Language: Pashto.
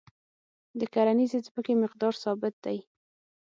د کرنیزې ځمکې مقدار ثابت دی.